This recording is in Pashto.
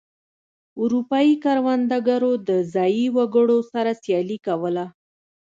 اروپايي کروندګرو د ځايي وګړو سره سیالي کوله.